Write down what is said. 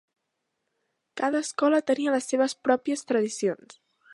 Cada escola tenia les seves pròpies tradicions.